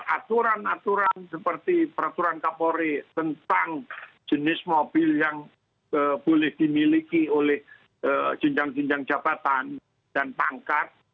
aturan aturan seperti peraturan kapolri tentang jenis mobil yang boleh dimiliki oleh jenjang jenjang jabatan dan pangkat